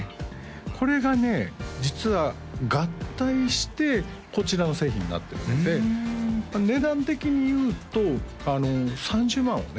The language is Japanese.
これがね実は合体してこちらの製品になってるので値段的にいうと３０万をね